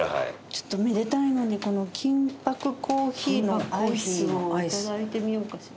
ちょっとめでたいのでこの金箔コーヒーのアイスを頂いてみようかしら。